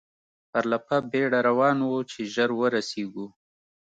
پر پله په بېړه روان وو، چې ژر ورسېږو.